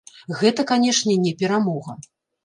Гэта, канешне, не перамога.